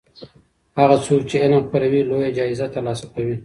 هغه څوک چې علم خپروي لویه جایزه ترلاسه کوي.